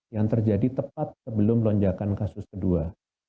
yang terjadi tepat sebelum lonjakan kasus kedua